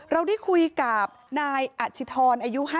เราได้คุยกับนายอาชิธรอายุ๕๕ปีนะคะ